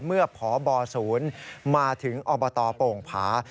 เมื่อพบศมาถึงอบตโป่งผา